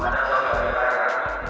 pada saat ini pak